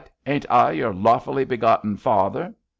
Ain't I your lawfully begotten father?'